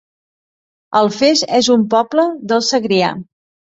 Alfés es un poble del Segrià